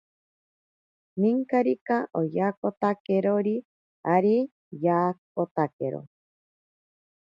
Ninkarika oyatakotakerori ari yaakotakero.